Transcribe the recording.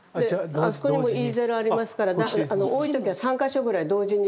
であそこにもイーゼルありますから多い時は３か所ぐらい同時に。